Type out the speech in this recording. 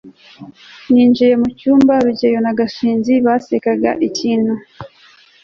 ninjiye mucyumba, rugeyo na gashinzi basekaga ikintu